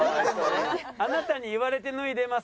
あなたに言われて脱いでます